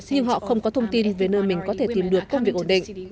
nhưng họ không có thông tin về nơi mình có thể tìm được công việc ổn định